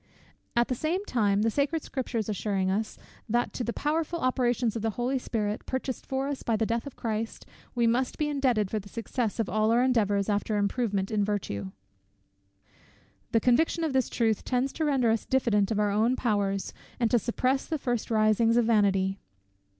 At the same time the Sacred Scriptures assuring us, that to the powerful operations of the Holy Spirit, purchased for us by the death of Christ, we must be indebted for the success of all our endeavours after improvement in virtue; the conviction of this truth tends to render us diffident of our own powers, and to suppress the first risings of vanity.